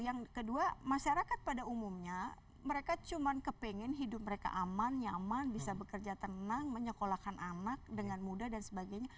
yang kedua masyarakat pada umumnya mereka cuma kepengen hidup mereka aman nyaman bisa bekerja tenang menyekolahkan anak dengan mudah dan sebagainya